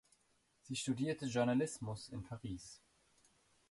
Sie studierte Journalismus in Paris.